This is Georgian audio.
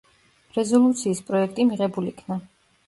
რეზოლუციის პროექტი მიღებულ იქნა.